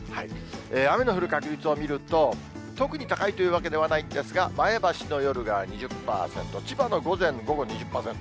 雨の降る確率を見ると、特に高いというわけではないんですが、前橋の夜が２０％、千葉の午前、午後２０％。